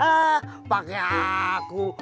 hah pakai aku